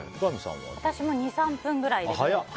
私も２３分ぐらいですね。